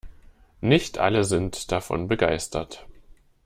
Nicht alle sind davon begeistert.